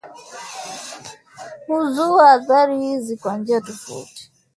Aina mbalimbali za dawa huzua athari hizi kwa njia tofauti